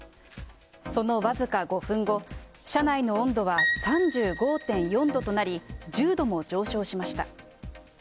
その僅か５分後、車内の温度は３５．４度となり、１０度も上昇しました。